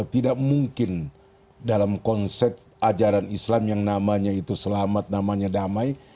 tidak mungkin dalam konsep ajaran islam yang namanya itu selamat namanya damai